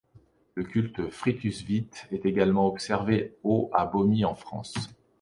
Le culte de Frithuswith est également observé au à Bomy, en France.